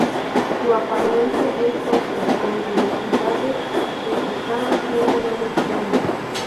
Su apariencia es tosca, con rugosidades en sus caras siendo no muy planas.